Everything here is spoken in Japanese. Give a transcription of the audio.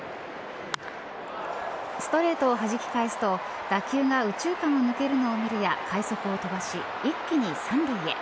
ストレート弾き返すと打球が右中間を抜けるのを見るや快足を飛ばし一気に３塁へ。